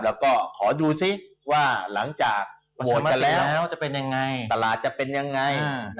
แล้วก็ขอดูซิว่าหลังจากโหวตกันแล้วตลาดจะเป็นยังไง